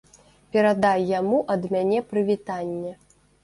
Перадай яму ад мяне прывітанне.